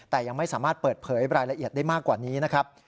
แต่ยังไม่สามารถเปิดเผยรายละเอียดได้มากกว่านี้นะครับ